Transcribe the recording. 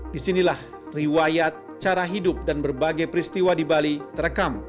disinilah riwayat cara hidup dan berbagai peristiwa di bali terekam